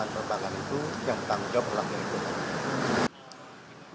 dan perbangan itu yang tanggung jawab berlaku